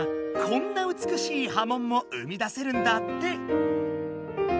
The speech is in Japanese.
こんなうつくしい波もんも生み出せるんだって。